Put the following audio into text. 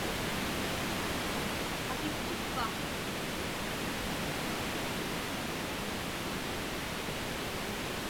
Makitchukpa?